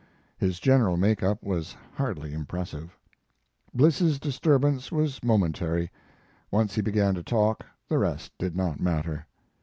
His general make up was hardly impressive. Bliss's disturbance was momentary. Once he began to talk the rest did not matter.